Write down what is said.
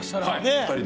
２人で？